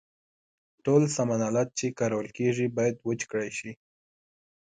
ټول سامان آلات چې کارول کیږي باید وچ کړای شي.